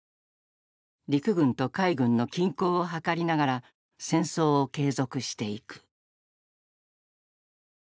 陸軍と海軍の均衡を図りながら戦争を継続していく。